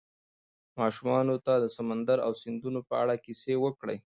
ماشومانو ته د سمندر او سیندونو په اړه کیسې وکړئ.